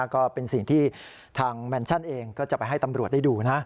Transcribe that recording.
ก็เป็นสิ่งที่ทางแมนชั่นเองก็จะไปให้ตำรวจได้ดูนะ